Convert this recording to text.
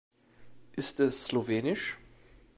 Ist es slowenisch?